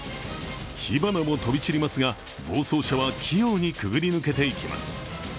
火花も飛び散りますが暴走車は器用にくぐり抜けていきます。